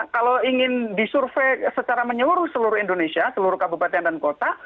kalau ingin disurvei secara menyeluruh seluruh indonesia seluruh kabupaten dan kota